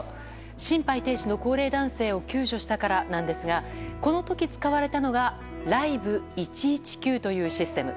心肺停止の高齢男性を救助したからなんですがこの時、使われたのがＬｉｖｅ１１９というシステム。